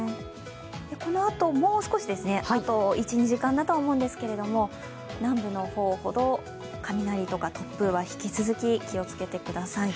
このあともう少し、あと１２時間だと想うんですが南部の方ほど雷とか突風は引き続き気をつけてください。